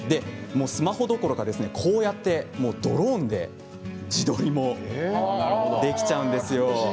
スマホどころかドローンで自撮りもできちゃうんですね。